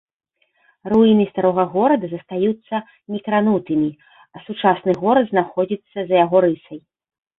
Руіны старога горада застаюцца некранутымі, сучасны горад знаходзіцца за яго рысай.